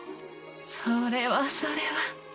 それはそれは。